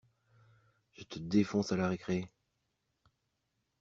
Je te défonce à la récré.